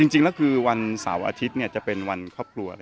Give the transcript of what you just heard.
จริงแล้วคือวันเสาร์อาทิตย์จะเป็นวันครอบครัว